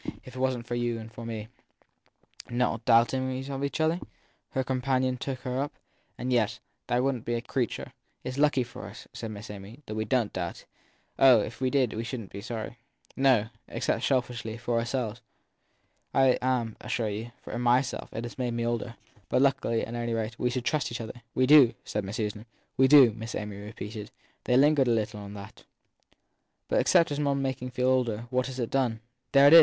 If it wasn t for you and for me Not doubting of each other ? her companion took her up : yes, there wouldn t be a creature. It s lucky for us, said Miss Amy, that we don t doubt. Oh, if we did we shouldn t be sorry. No except, selfishly, for ourselves. I am, I assure you, for myself it has made me older. But, luckily, at any rate, we trust each other. We do, said Miss Susan. We do, Miss Amy repeated they lingered a little on that. But except making one feel older, what has it done for one ?